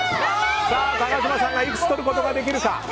高嶋さんがいくつ取ることができるか。